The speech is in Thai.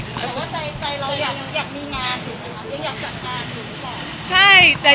แต่ว่าใจเราอยากมีงานอยู่หรือยังอยากสัญลักษณ์อยู่หรือเปล่า